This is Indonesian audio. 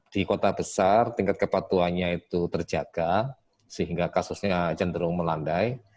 di kota besar tingkat kepatuhannya itu terjaga sehingga kasusnya cenderung melandai